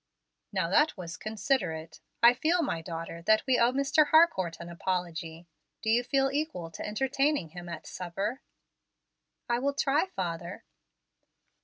"Now that was considerate. I feel, my daughter, that we owe Mr. Harcourt an apology. Do you feel equal to entertaining him at supper?" "I will try, father."